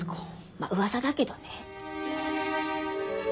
まっうわさだけどね。